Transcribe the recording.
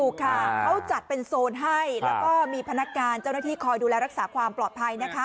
ค่ะเขาจัดเป็นโซนให้แล้วก็มีพนักการเจ้าหน้าที่คอยดูแลรักษาความปลอดภัยนะคะ